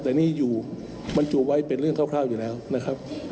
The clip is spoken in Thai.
แต่นี่อยู่บรรจุไว้เป็นเรื่องคร่าวอยู่แล้วนะครับ